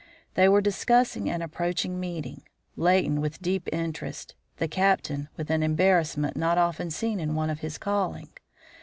They were discussing an approaching meeting; Leighton with deep interest, the Captain with an embarrassment not often seen in one of his calling.